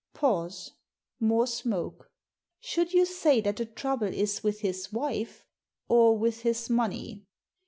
Pause ; more smoke. " Should you say that the trouble is with his wife, or with his money?"